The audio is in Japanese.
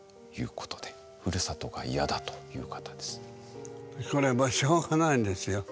これもしょうがないんですよ。